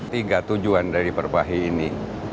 tiga tujuan dari perpahi ini